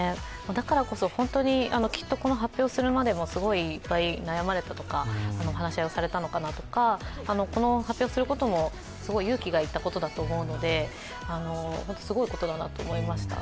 だからこそ、本当にきっとこの発表をするまでもすごいいっぱい悩まれたとか話し合いをされたのかなとかこの発表をすることも勇気が要ったことだと思うのですごいことだなと思いました。